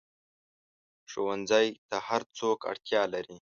ښوونځی ته هر څوک اړتیا لري